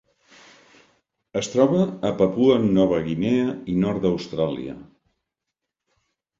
Es troba a Papua Nova Guinea i nord d'Austràlia.